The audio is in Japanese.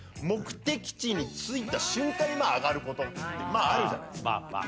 目的地に着いた瞬間に上がることってまああるじゃないですか。